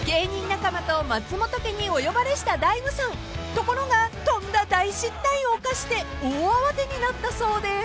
［ところがとんだ大失態を犯して大慌てになったそうで］